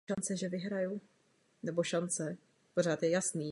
Vystudovala sportovní management na Newyorské univerzitě.